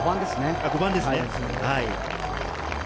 ５番ですね。